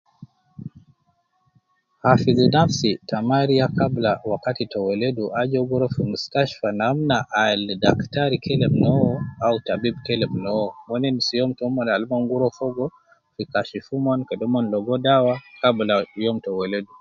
Hafidh nafsi tai mariya kabla wakati te weledu aju uwo gi rua fi mustashtfa namna al daktari gi kelem ne uwo ab tabiba kelem ne uwo ,mon endis youm tomon al mon gi rua fogo fi Kashif omon kede mon ligo dawa kabla youm te weledu